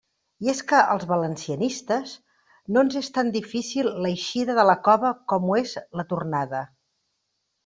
I és que als valencianistes no ens és tan difícil l'eixida de la cova com ho és la tornada.